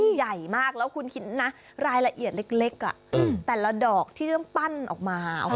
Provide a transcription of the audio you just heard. มันใหญ่มากแล้วคุณคิดนะรายละเอียดเล็กแต่ละดอกที่ต้องปั้นออกมา